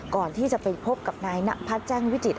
ก่อนที่จะไปพบกับนายนพัฒน์แจ้งวิจิต